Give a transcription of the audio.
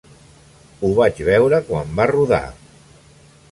Ho vaig veure quan va rodar.